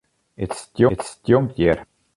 It stjonkt hjir.